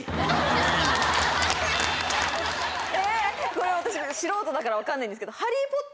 これ私素人だから分かんないんですけど。